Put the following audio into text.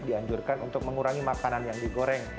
dianjurkan untuk mengurangi makanan yang digoreng